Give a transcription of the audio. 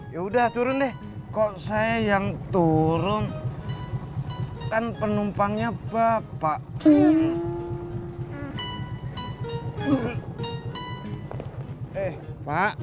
ya udah turun deh kok saya yang turun kan penumpangnya bapak eh pak